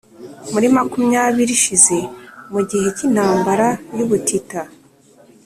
muri makumyabiri ishize mu gihe cy’intambara y'ubutita